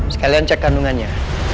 sekalian cek kandungannya